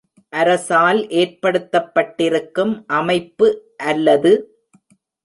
அரசால் ஏற்படுத்தப்பட்டிருக்கும் அமைப்பு அல்லது